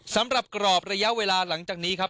สำหรับกรอบระยะเวลาหลังจากนี้ครับ